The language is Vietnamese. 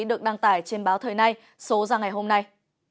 được đăng tải trên báo thời nay số ra ngày hôm nay